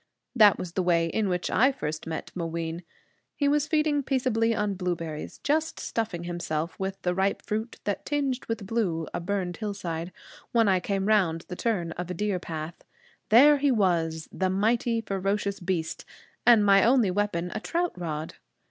That was the way in which I first met Mooween. He was feeding peaceably on blueberries, just stuffing himself with the ripe fruit that tinged with blue a burned hillside, when I came round the turn of a deer path. There he was, the mighty, ferocious beast and my only weapon a trout rod!